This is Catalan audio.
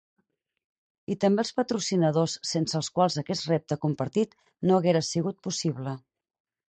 I també als patrocinadors, sense els quals aquest repte compartit no haguera sigut possible.